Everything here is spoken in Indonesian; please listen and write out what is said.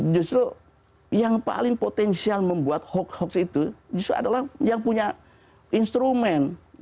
justru yang paling potensial membuat hoax hoax itu justru adalah yang punya instrumen